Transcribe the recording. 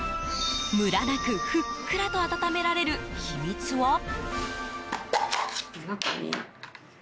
むらなくふっくらと温められる秘密は。